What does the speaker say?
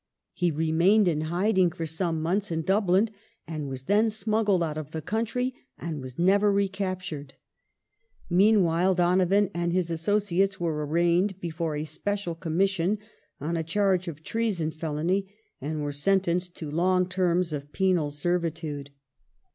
He remained in hiding for some months in Dublin and was then smuggled out of the country and was never recaptured. Meanwhile, Donovan and his associates were arraigned, before a special Connnission, on a charge of treason felony, and were sentenced to long terms of penal servitude.